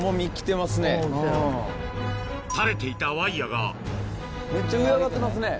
垂れていたワイヤがめっちゃ上上がってますね。